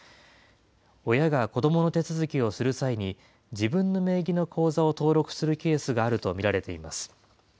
親が子どもの手続きをする際に、自分の名義の口座を登録するケースがあると見られています。